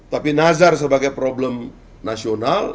tapi nazar sebagai problem nasional